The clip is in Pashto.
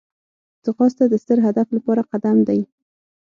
ځغاسته د ستر هدف لپاره قدم دی